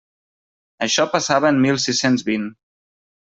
Això passava en mil sis-cents vint.